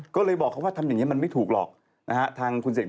ก็เลยบอกเขาว่าทำอย่างนี้มันไม่ถูกหรอก